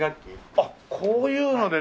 あっこういうので練習だ。